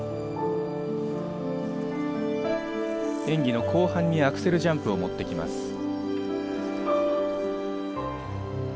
演技の後半にアクセルジャンプを持ってきます。